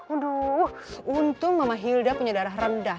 aduh untung mama hilda punya darah rendah